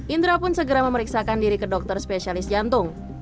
indra pun segera memeriksakan diri ke dokter spesialis jantung